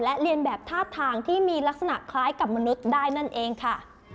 และเรียนแบบท่าทางที่มีลักษณะคล้ายกับมนุษย์ได้นั่นเองค่ะ